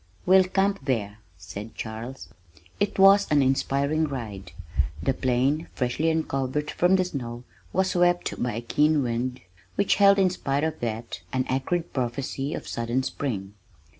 "We'll camp there," said Charles. It was an inspiring ride! The plain freshly uncovered from the snow was swept by a keen wind which held in spite of that an acrid prophecy of sudden spring.